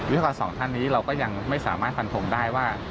วิศวกร๒ท่านนี้เราก็ยังไม่สามารถพันธมได้ว่า